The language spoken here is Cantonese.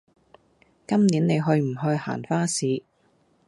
今年你去唔去行花市